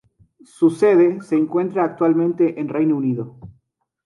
Su sede se encuentra actualmente en Reino Unido.